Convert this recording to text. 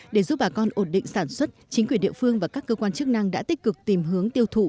để giúp bà con ổn định sản xuất chính quyền địa phương và các cơ quan chức năng đã tích cực tìm hướng tiêu thụ